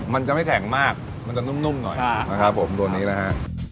มันจะไม่แข็งมากมันจะนุ่มหน่อยนะครับผมตัวนี้นะฮะ